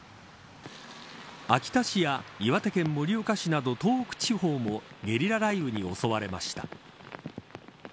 秋田市や岩手県盛岡市など東北地方もゲリラ雷雨に襲われました。